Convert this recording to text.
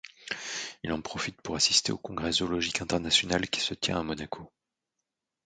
Il en profite pour assister au congrès zoologique international qui se tient à Monaco.